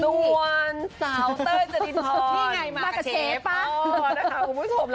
ตัวนสาวเต้อยเจรินพรพี่ไงมากับเชฟป่ะ